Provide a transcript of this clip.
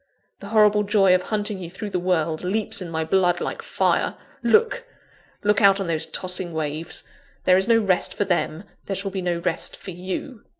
The horrible joy of hunting you through the world, leaps in my blood like fire! Look! look out on those tossing waves. There is no rest for them; there shall be no rest for _you!